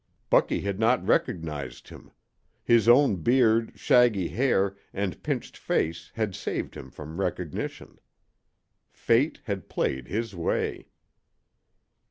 Bucky had not recognized him. His own beard, shaggy hair, and pinched face had saved him from recognition. Fate had played his way.